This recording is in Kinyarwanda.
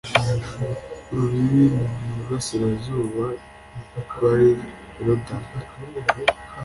urubibi mu burasirazuba rwari yorudani